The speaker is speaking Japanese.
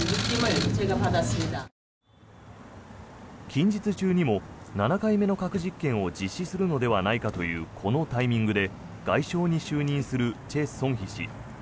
近日中にも７回目の核実験を実施するのではないかというこのタイミングで外相に就任するチェ・ソンヒ氏。